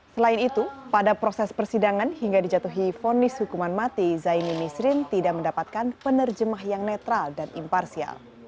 selain itu pada proses persidangan hingga dijatuhi vonis hukuman mati zaini misrin tidak mendapatkan penerjemah yang netral dan imparsial